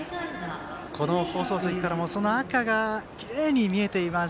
この放送席からも赤がきれいに見えています。